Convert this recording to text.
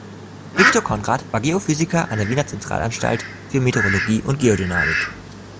Victor Conrad war Geophysiker an der Wiener Zentralanstalt für Meteorologie und Geodynamik.